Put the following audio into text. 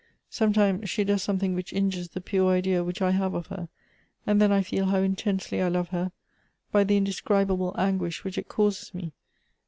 Sometimes she* does something vhich injures the pure idea which I have of her; md then I feel how intensely I love her, by the inde tcribable anguish which it causes me.